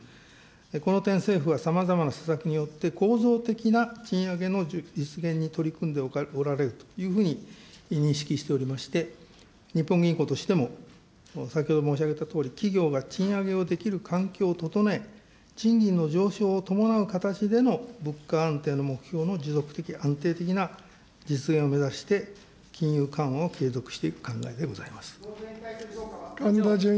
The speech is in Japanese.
この点、政府はさまざまな施策によって構造的な賃上げの実現に取り組んでおられるというふうに認識しておりまして、日本銀行としても、先ほど申し上げたとおり、企業が賃上げをできる環境を整え、賃金の上昇を伴う形での物価安定の目標の持続的、安定的な実現を目指して、金融緩和を継続していく考えでございます。